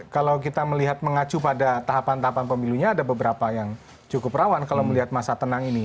kalau kita melihat mengacu pada tahapan tahapan pemilunya ada beberapa yang cukup rawan kalau melihat masa tenang ini